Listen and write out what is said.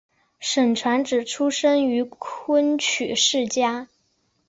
沈传芷出生于昆曲世家。